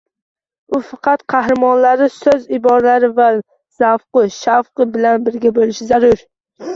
U faqat qahramonlari, soʻz-iboralari va zavqu shavqi bilan birga boʻlishi zarur